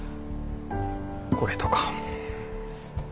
これとか。